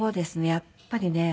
やっぱりねあの。